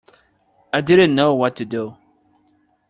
I didn't know what to do.